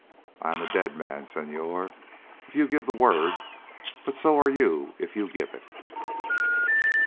I am a dead man, Senhor, if you give the word, but so are you if you give it."